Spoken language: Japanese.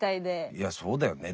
いやそうだよね。